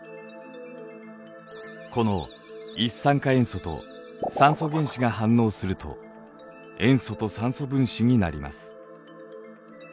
この一酸化塩素と酸素原子が反応すると塩素と酸素分子になります。